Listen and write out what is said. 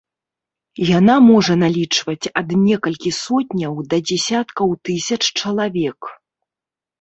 Яна можа налічваць ад некалькі сотняў да дзесяткаў тысяч чалавек.